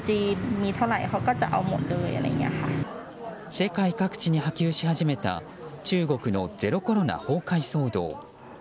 世界各地に波及し始めた中国のゼロコロナ崩壊騒動。